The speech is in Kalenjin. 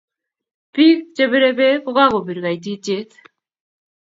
Biik che birei beek ko kakobir kaititiet